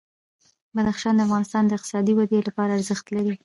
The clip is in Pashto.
بدخشان د افغانستان د اقتصادي ودې لپاره ارزښت لري.